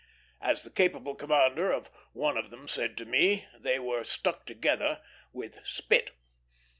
As the capable commander of one of them said to me, they were "stuck together with spit."